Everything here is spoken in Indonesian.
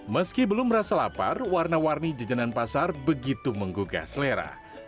meski belum merasa lapar warna warni jajanan pasar begitu menggugah selera